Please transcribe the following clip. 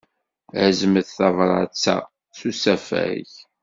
Aznet tabṛat-a s usafag.